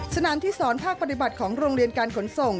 สนามที่สอนภาคปฏิบัติของโรงเรียนการขนส่ง